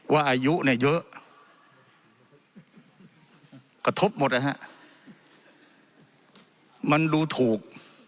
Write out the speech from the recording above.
อายุเนี่ยเยอะกระทบหมดนะฮะมันดูถูก